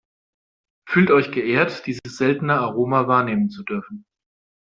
Fühlt euch geehrt, dieses seltene Aroma wahrnehmen zu dürfen!